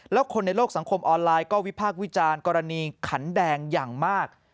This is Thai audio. แล้วคนในโลกสังคมออนไลน์ก็วิพากษ์วิจารณ์กรณีขันแดงอย่างมาก